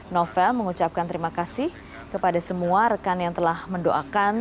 novel mengucapkan terima kasih kepada semua rekan yang telah mendoakan